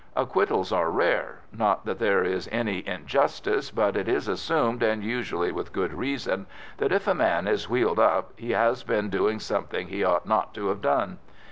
Acquittals are rare; not that there is any injustice, but it is assumed, and usually with good reason, that if a man is "wheeled up" he has been doing something he ought not to have done.